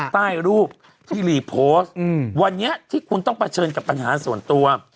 ใต้รูปที่รีโพสต์วันนี้ที่คุณต้องเผชิญกับปัญหาส่วนตัว